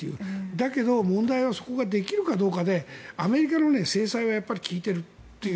だけど、問題はそこができるかどうかでアメリカの制裁は効いているという。